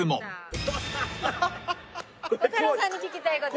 孝太郎さんに聞きたいこと。